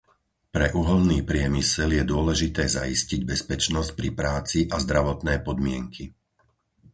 Pre uhoľný priemysel je dôležité zaistiť bezpečnosť pri práci a zdravotné podmienky.